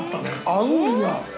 合うんや。